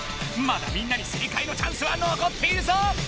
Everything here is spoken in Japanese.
まだみんなに正解のチャンスはのこっているぞ！